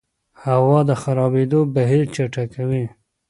هوا د خرابېدو بهیر چټکوي.